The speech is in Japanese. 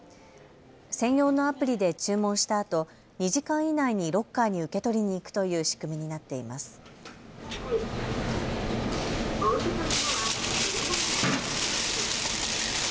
専用のアプリで注文したあと２時間以内にロッカーに受け取りに行くという仕組みになっています。